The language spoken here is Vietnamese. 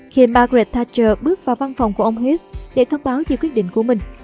khi margaret thatcher bước vào văn phòng của ông hiz để thông báo về quyết định của mình